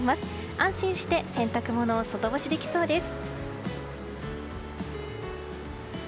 安心して洗濯物を外干しできそうです。